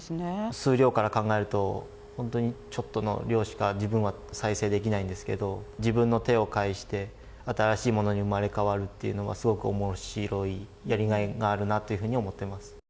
数量から考えると、本当にちょっとの量しか自分は再生できないんですけど、自分の手を介して、新しいものに生まれ変わるっていうのは、すごくおもしろい、やりがいがあるなっていうふうに思ってます。